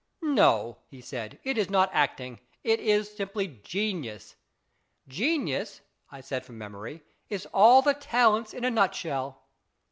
" No," he said, " it is not acting. It is simply genius." " Genius," I said from memory, " is all the talents in a nutshell."